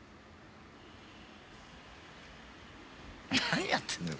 何やってんだ？